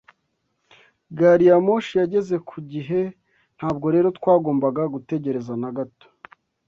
Gari ya moshi yageze ku gihe, ntabwo rero twagombaga gutegereza na gato.